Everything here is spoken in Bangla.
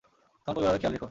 তোমার পরিবারের খেয়াল রেখ।